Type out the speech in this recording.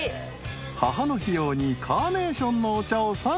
［母の日用にカーネーションのお茶を３個］